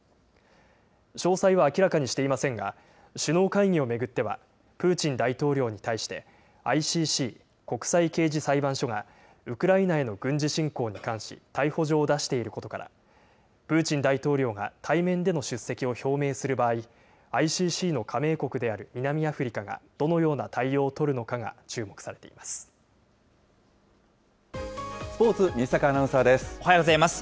詳細は明らかにしていませんが、首脳会議を巡っては、プーチン大統領に対して、ＩＣＣ・国際刑事裁判所がウクライナへの軍事侵攻に関し、逮捕状を出していることから、プーチン大統領が対面での出席を表明する場合、ＩＣＣの加盟国である南アフリカがどのような対応を取るのかが注スポーツ、西阪アナウンサーおはようございます。